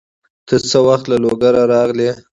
ته څه وخت له لوګره راغلې؟